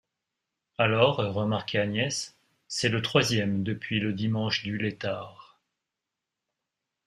Alors, remarquait Agnès, c’est le troisième depuis le dimanche du Lætare.